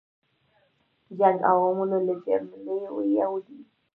جنګ عواملو له جملې یو دی.